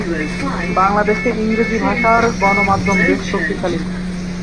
বাংলাদেশে ইংরেজি ভাষার গণমাধ্যম বেশ শক্তিশালী।